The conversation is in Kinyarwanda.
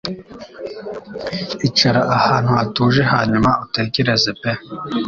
Icara ahantu hatuje hanyuma utekereze pe